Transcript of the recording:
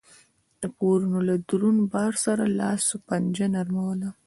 د پورونو له دروند بار سره لاس و پنجه نرموله